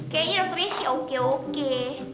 kayaknya dokternya sih oke oke